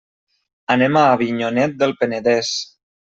Anem a Avinyonet del Penedès.